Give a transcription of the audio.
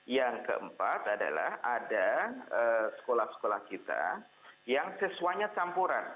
yang keempat adalah ada sekolah sekolah kita yang sesuai campuran